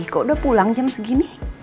kok udah pulang jam segini